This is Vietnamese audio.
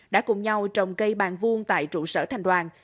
đã cùng nhau trồng cây bàn vuông tại trụ sở thành đoàn